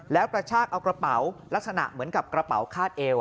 แล้วกระชากเอากระเป๋าลักษณะเหมือนกับกระเป๋าคาดเอว